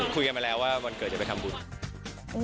คุยกันมาแล้วว่าวันเกิดจะไปทำบุญ